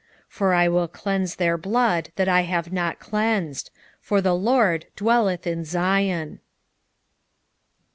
3:21 For I will cleanse their blood that I have not cleansed: for the LORD dwelleth in Zion.